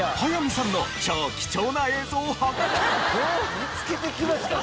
見つけてきましたね。